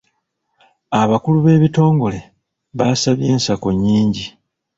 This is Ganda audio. Abakulu b'ebitongole b'asabye ensako nnyingi.